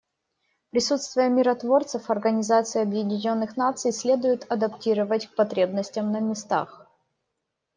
Присутствие миротворцев Организации Объединенных Наций следует адаптировать к потребностям на местах.